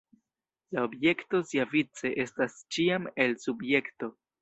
La objekto siavice estas ĉiam “el” subjekto.